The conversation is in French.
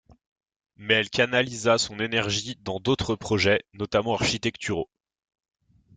Mais elle canalisa son énergie dans d'autres projets, notamment architecturaux.